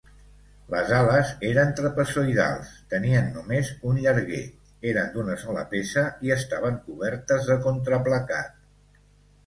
Les ales eren trapezoïdals, tenien només un llarguer, eren d'una sola peça i estaven cobertes de contraplacat.